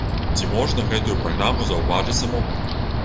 Ці можна гэтую праграму заўважыць самому?